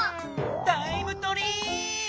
タイムトリーップ！